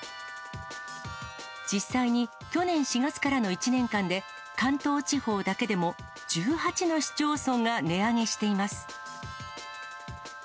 実際に去年４月からの１年間で、関東地方だけでも、１８の市町村が値上げしています。